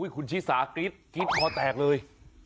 คุณชิสากริ๊ดพอแตกเลย